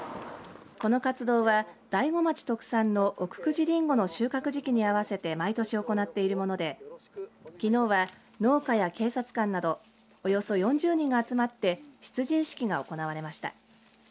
この活動は大子町特産の奥久慈りんごの収穫時期に合わせて毎年行っているものできのうは農家や警察官などおよそ４０人が集まって出陣式が行われました。